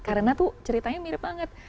karena tuh ceritanya mirip banget